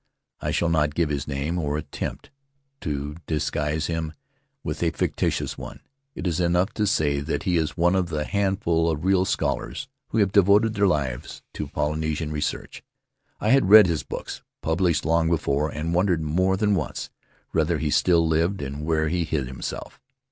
I shall not give his name, or attempt to disguise [M] The Land of Ahu Ahu him with a fictitious one; it is enough to say that he is one of the handful of real scholars who have devoted their lives to Polynesian research. I had read his books, published long before, and wondered — more than once — whether he still lived and where he hid himself.